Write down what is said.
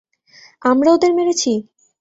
আমরা ওদের মেরেছি!